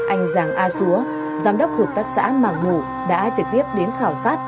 anh giàng a xúa giám đốc hợp tác xã mạng ngũ đã trực tiếp đến khảo sát